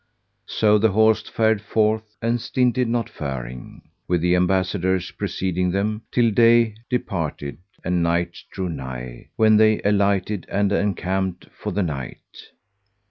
So the host fared forth and stinted not faring, with the ambassadors preceding them, till day departed and night drew nigh, when they alighted and encamped for the night.